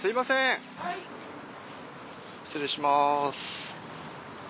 失礼します。